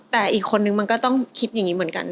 แต่อีกคนนึงมันก็ต้องคิดอย่างนี้เหมือนกัน